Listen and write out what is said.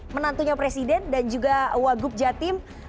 menantunya presiden dan juga wagub jatim